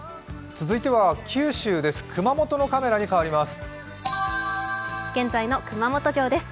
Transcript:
続いては九州です。